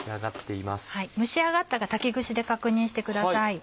蒸し上がったか竹串で確認してください。